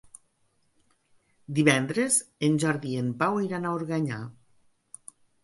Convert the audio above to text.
Divendres en Jordi i en Pau iran a Organyà.